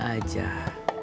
lembang gak jauh